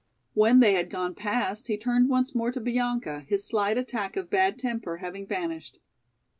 When they had gone past he turned once more to Bianca, his slight attack of bad temper having vanished.